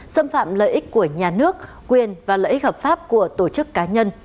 xâm phạm lợi ích của nhà nước quyền và lợi ích hợp pháp của tổ chức cá nhân